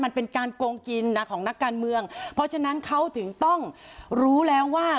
มันเป็นการโกงกินนะของนักการเมืองเพราะฉะนั้นเขาถึงต้องรู้แล้วว่า